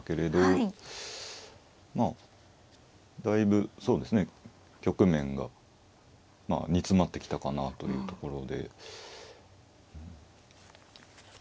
だいぶそうですね局面が煮詰まってきたかなというところで。